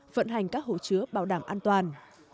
vận hành các hồ chứa bảo đảm an toàn